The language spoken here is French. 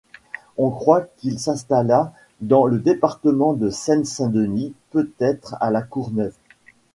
On croit qu'il s'installa dans le département de Seine-Saint Denis, peut-être à La Courneuve.